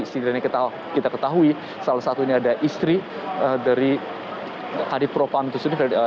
sebenarnya kita ketahui salah satunya ada istri dari kdf pro pampore